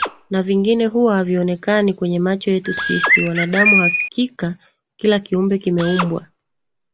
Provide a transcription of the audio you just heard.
na vingine huwa havionekani kwenye macho yetu sisi wanadamu hakika kila Kiumbe kimeumbwa